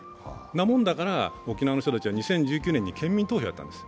なもんだから、沖縄の人たちは２０１９年に県民投票をやったんです。